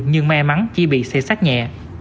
nhưng may mắn chỉ bị xe sát nhẹ